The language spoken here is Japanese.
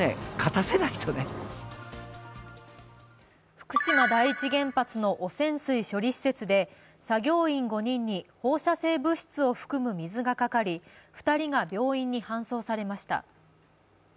福島第一原発の汚染水処理施設で作業員５人に放射性物質を含む水がかかり２人が病院に搬送されました。